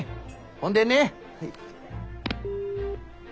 ほんでね。